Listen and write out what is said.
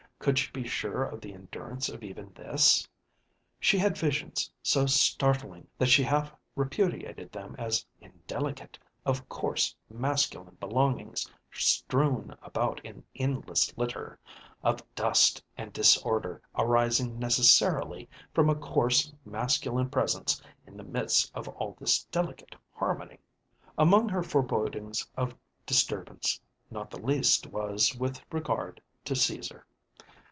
Could she be sure of the endurance of even this? She had visions, so startling that she half repudiated them as indelicate, of coarse masculine belongings strewn about in endless litter; of dust and disorder arising necessarily from a coarse masculine presence in the midst of all this delicate harmony. Among her forebodings of disturbance, not the least was with regard to Caesar.